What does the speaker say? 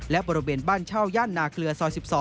และบริเวณบ้านเช่าย่านนาเคลือซอย๑๒